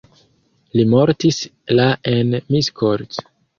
Li mortis la en Miskolc.